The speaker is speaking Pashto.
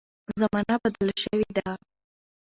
زمانه بدله شوې ده.